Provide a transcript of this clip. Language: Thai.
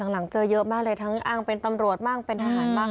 หลังเจอเยอะมากเลยทั้งอ้างเป็นตำรวจบ้างเป็นทหารบ้าง